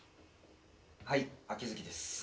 はい秋月です。